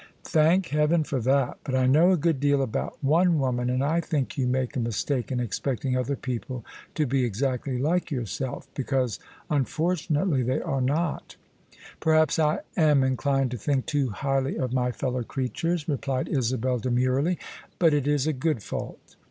" Thank heaven for that I But I know a good deal about one woman, and I think you make a mistake in expecting other people to be exactly like yourself: because unfor tunately they are not," " Perhaps I am inclined to think too highly of my fellow creatures," replied Isabel demurely: " but it is a good fault."